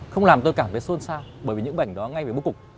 không làm tôi cảm thấy xôn xao bởi vì những bức ảnh đó ngay về mũ cục